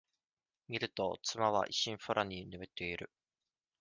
みると、妻は一心不乱に眠っている。